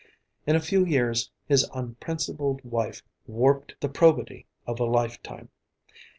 In a few years his unprincipled wife warped the probity of a lifetime.